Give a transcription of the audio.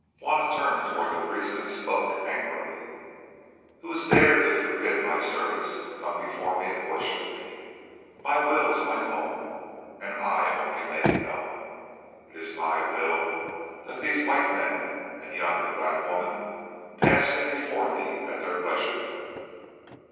Juanna turned towards the priest and spoke angrily: "Who has dared to forbid my servants to come before me and worship me? My will is my own, and I only make it known. It is my will that these white men and yonder black woman pass in before me at their pleasure."